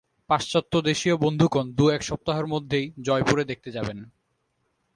পাশ্চাত্যদেশীয় বন্ধুগণ দু-এক সপ্তাহের মধ্যেই জয়পুর দেখতে যাবেন।